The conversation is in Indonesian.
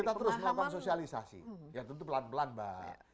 kita terus melakukan sosialisasi ya tentu pelan pelan mbak